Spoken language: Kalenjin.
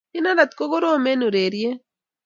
Inendet ko korom eng urerieny